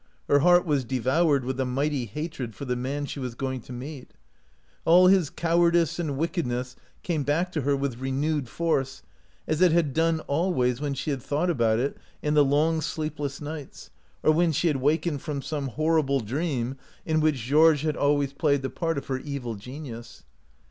Her heart was devoured with a mighty hatred for the man she was going to meet ; all his cow ardice and wickedness came back to her with renewed force, as it had done always when she had thought about it in the long, sleepless nights, or when she had wakened from some horrible dream in which Georges 141 OUT OF BOHEMIA had always played the part of her evil genius.